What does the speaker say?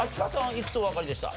いくつおわかりでした？